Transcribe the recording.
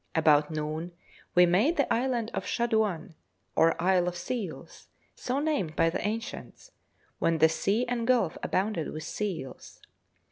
About noon we made the island of Shaduan, or isle of Seals, so named by the ancients, when the sea and gulf abounded with seals.